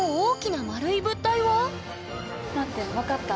待って分かった。